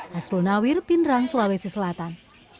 hasrul nawir pindrang sulawesi selatan